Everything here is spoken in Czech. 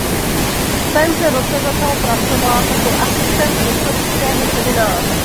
V témže roce začal pracovat jako asistent Historického semináře.